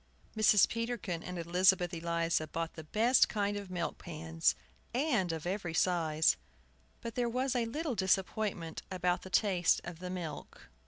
Mrs. Peterkin and Elizabeth Eliza bought the best kind of milk pans, of every size. But there was a little disappointment about the taste of the milk.